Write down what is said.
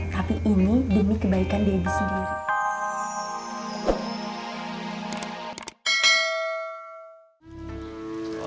tapi ini demi kebaikan baby sendiri